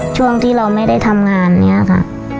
ช่วงที่เราไม่ได้ทำงานนี้ค่ะ